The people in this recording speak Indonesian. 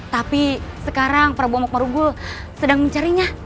tapi sekarang prabu amok marugul sedang mencarinya